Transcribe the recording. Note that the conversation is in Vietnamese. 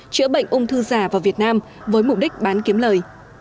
chữa bệnh ung thư giả vào việt nam với mục đích bán kiếm lời